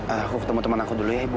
aku ketemu teman aku dulu ya ibu